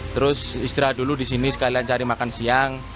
terus istirahat dulu di sini sekalian cari makan siang